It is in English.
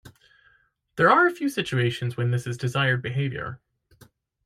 There are a few situations when this is desired behavior.